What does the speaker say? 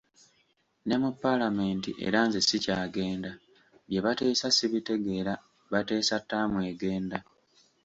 Ne mu paalamenti era nze sikyagenda, bye bateesa sibitegeera, bateesa ttaamu egenda.